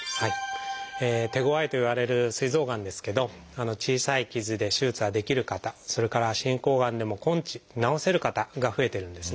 手ごわいといわれるすい臓がんですけど小さい傷で手術ができる方それから進行がんでも根治治せる方が増えてるんですね。